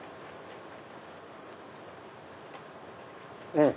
うん！